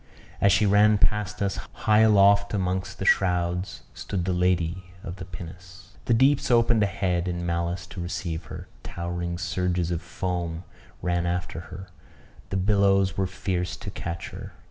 As she ran past us, high aloft amongst the shrouds stood the lady of the pinnace. The deeps opened ahead in malice to receive her, towering surges of foam ran after her, the billows were fierce to catch her.